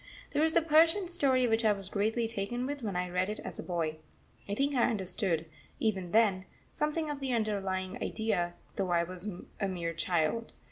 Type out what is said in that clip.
There is a Persian story which I was greatly taken with when I read it as a boy I think I understood, even then, something of the underlying idea, though I was a mere child.